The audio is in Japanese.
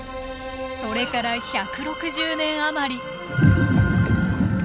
それから１６０年余り。